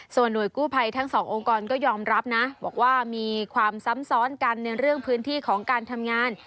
ส่วนหน่วยกู้ภัยทั้งสององค์กรก็ยอมรับนะบอกว่ามีความซ้ำซ้อนกันในเรื่องพื้นที่ของการทำงาน